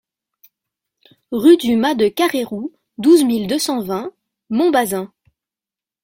Rue du Mas de Carreyrou, douze mille deux cent vingt Montbazens